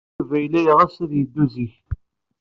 Yuba yella yeɣs ad yeddu zik.